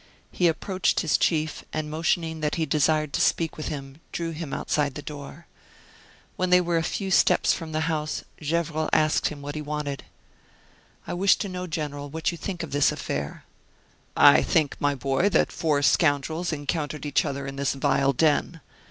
He approached his chief, and motioning that he desired to speak with him, drew him outside the door. When they were a few steps from the house, Gevrol asked him what he wanted. "I wish to know, General, what you think of this affair." "I think, my boy, that four scoundrels encountered each other in this vile den.